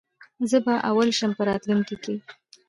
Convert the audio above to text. زه به اول شم په راتلونکې کي